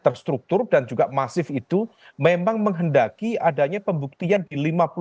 terstruktur dan juga masif itu memang menghendaki adanya pembuktian di lima puluh